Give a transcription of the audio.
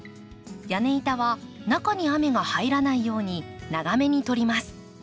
屋根板は中に雨が入らないように長めに取ります。